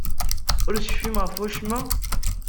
Ur tecfim ɣef wacemma?